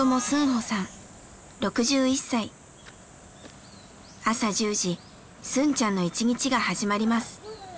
朝１０時スンちゃんの一日が始まります。